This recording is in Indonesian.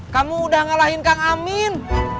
kamu udah ngalahin kang amin